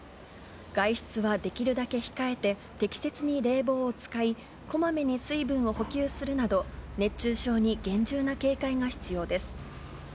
外出はできるだけ控えて、適切に冷房を使い、こまめに水分を補給するなど、熱中症に厳重な警戒が必要です。